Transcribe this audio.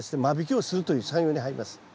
間引きをするという作業に入ります。